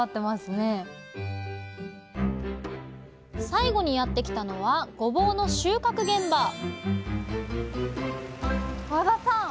最後にやってきたのはごぼうの収穫現場和田さん！